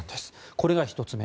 これが１つ目。